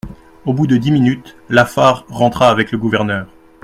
Au bout de dix minutes, Lafare rentra avec le gouverneur.